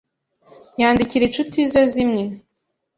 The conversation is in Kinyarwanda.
Yandikira inshuti ze zimwe.